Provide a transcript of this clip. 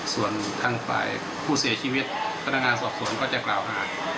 ส่วนทางฝ่ายผู้เสียชีวิตพนักงานสอบสวนก็จะกล่าวหา